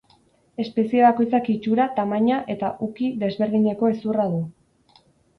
Espezie bakoitzak itxura, tamaina eta uki desberdineko hezurra du.